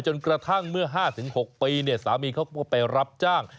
จนกระทั่งเมื่อ๕๖ปีสามีเขาก็ไปรับจ้าง